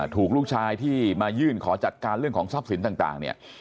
ถูกลูกชายที่มายื่นขอจัดการเรื่องของทรัพย์สินต่างเนี่ย